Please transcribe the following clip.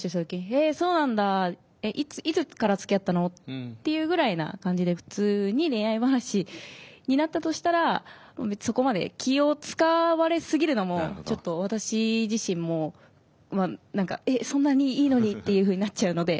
いつからつきあったの？」っていうぐらいな感じで普通に恋愛話になったとしたらそこまで気を遣われすぎるのもちょっと私自身もえっそんなにいいのにっていうふうになっちゃうので。